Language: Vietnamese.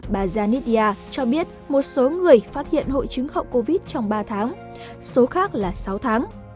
bà janitia cho biết một số người phát hiện hội chứng hậu covid trong ba tháng số khác là sáu tháng